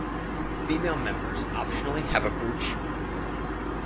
Female members optionally have a brooch.